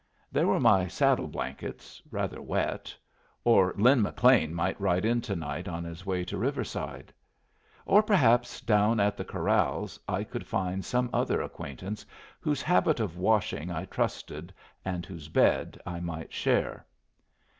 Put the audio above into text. There were my saddle blankets rather wet; or Lin McLean might ride in to night on his way to Riverside; or perhaps down at the corrals I could find some other acquaintance whose habit of washing I trusted and whose bed I might share.